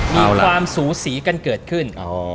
มีความสูสีกันเกิดขึ้น